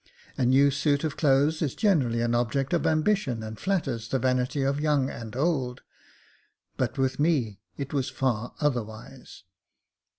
A new suit of clothes is generally an object of ambition, and flatters the vanity of young and old ; but with me it was far otherwise.